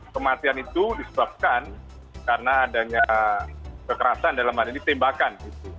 kematian itu disebabkan karena adanya kekerasan dalam hal ini tembakan